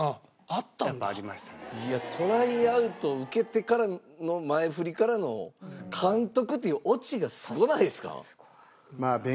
いやトライアウトを受けてからの前フリからの監督っていうオチがすごないですか。